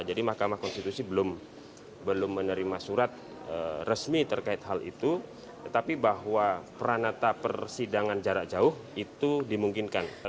jadi mahkamah konstitusi belum menerima surat resmi terkait hal itu tetapi bahwa peranata persidangan jarak jauh itu dimungkinkan